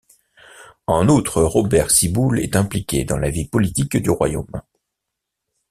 En outre, Robert Ciboule est impliqué dans la vie politique du royaume.